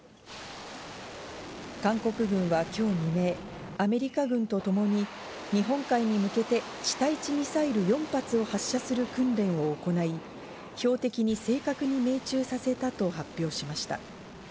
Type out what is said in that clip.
韓国軍は今日未明、アメリカ軍とともに日本海に向けて地対地ミサイル４発を発射する訓練を行い、標的に正確に命中させたと発表しました。